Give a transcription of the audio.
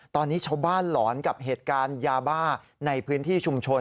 ตอนนี้ชาวบ้านหลอนกับเหตุการณ์ยาบ้าในพื้นที่ชุมชน